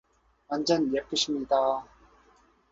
완전 예쁘십니다?